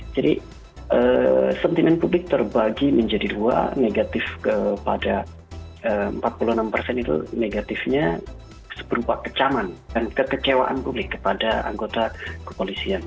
jadi sentimen publik terbagi menjadi dua negatif kepada empat puluh enam persen itu negatifnya seberupa kecaman dan kekecewaan publik kepada anggota kepolisian